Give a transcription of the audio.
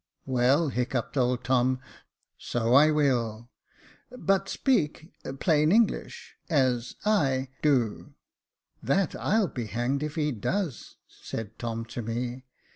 ''^" Well," hiccuped old Tom, " so I will — but speak — plain English — as I — do." " That I'll be hanged if he does," said Tom to me.